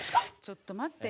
ちょっと待ってよ。